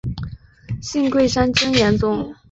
信贵山真言宗。